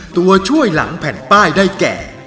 ตัวช่วยหลังแผ่นป้ายได้แก่